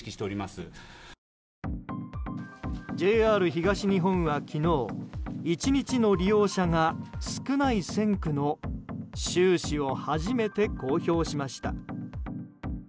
ＪＲ東日本は昨日１日の利用者が少ない線区の収支を初めて公表しました。